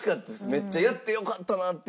めっちゃやってよかったなって思いました。